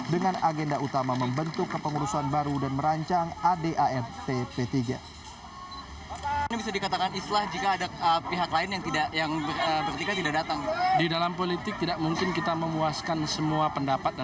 dengan agenda utama membentuk kepengurusan baru dan merancang adart p tiga